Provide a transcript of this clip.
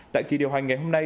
tại kỳ điều hành ngày hôm nay